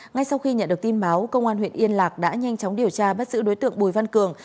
ngay sau khi nhận được tin báo công an huyện yên lạc đã nhanh chóng điều tra bắt giữ đối tượng bùi văn cường